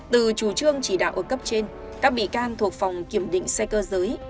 từ chủ trương chỉ đạo ở cấp trên các bị can thuộc phòng kiểm định xe cơ giới